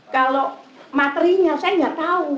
kalau materinya saya nggak tahu